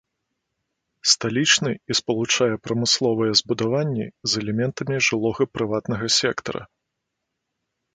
Сталічны і спалучае прамысловыя збудаванні з элементамі жылога прыватнага сектара.